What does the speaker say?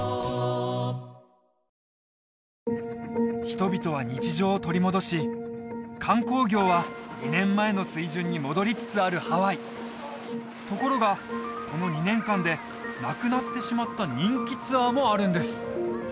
人々は日常を取り戻し観光業は２年前の水準に戻りつつあるハワイところがこの２年間でなくなってしまった人気ツアーもあるんです